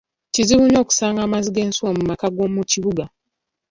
Kizibu nnyo okusanga amazzi g’ensuwa mu maka g’omu kibuga.